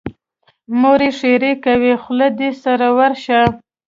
مور یې ښېرې کوي: خوله دې سره ورشه.